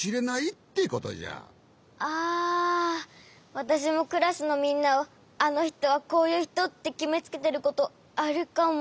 わたしもクラスのみんなをあのひとはこういうひとってきめつけてることあるかも。